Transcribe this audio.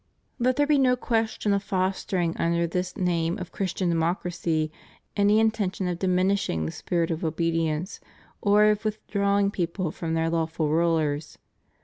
Let there be no question of fostering under this name of Christian Democracy any intention of diminishing the spirit of obedience, or of withdrawing people from their lawful rulers.